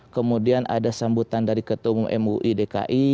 kemudian ada sambutan dari ketemu mui dki